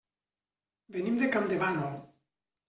Venim de Campdevànol.